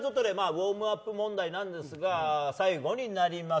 ウォームアップ問題なんですが最後になります。